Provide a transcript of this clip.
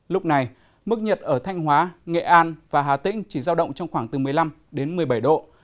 lúc này mức nhiệt ở thanh hóa nghệ an và hà tĩnh chỉ giao động trong khoảng từ một mươi năm đến một mươi bảy độ